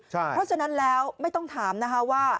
เพราะฉะนั้นแล้วไม่ต้องถามนะคะว่า